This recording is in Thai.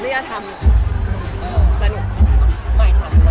นี่มันสนุกกว่า